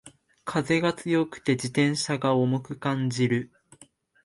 風が強くて自転車が重く感じる